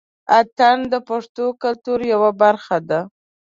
اتڼ د پښتنو کلتور يوه برخه دى.